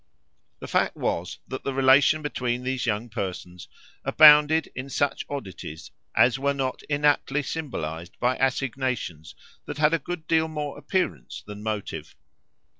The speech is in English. The fact was that the relation between these young persons abounded in such oddities as were not inaptly symbolised by assignations that had a good deal more appearance than motive.